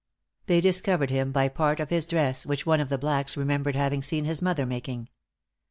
They discovered him by part of his dress, which one of the blacks remembered having seen his mother making.